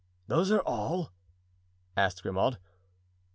"Those are all?" asked Grimaud.